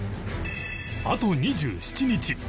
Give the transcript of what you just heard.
あと２７日